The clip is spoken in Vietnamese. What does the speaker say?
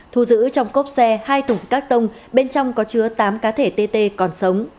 thu giữ trong cốp xe hai thủng cát tông bên trong có chứa tám cá thể tê tê còn sống